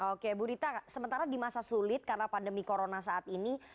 oke bu rita sementara di masa sulit karena pandemi corona saat ini